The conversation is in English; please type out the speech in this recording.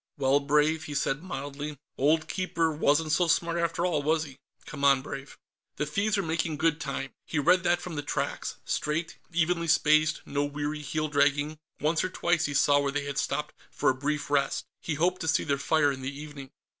"Well, Brave," he said mildly. "Old Keeper wasn't so smart, after all, was he? Come on, Brave." The thieves were making good time. He read that from the tracks straight, evenly spaced, no weary heel dragging. Once or twice, he saw where they had stopped for a brief rest. He hoped to see their fire in the evening.